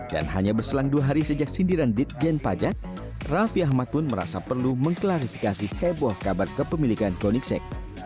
dan hanya berselang dua hari sejak sindiran ditjen pajak raffi ahmad pun merasa perlu mengklarifikasi heboh kabar kepemilikan koenigsegg